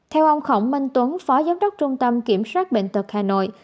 theo ông khổng minh tuấn phó giám đốc trung tâm kiểm soát bệnh tật hà nội